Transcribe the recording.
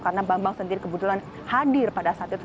karena bambang sendiri kebetulan hadir pada saat itu